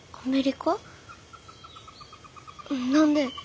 何で？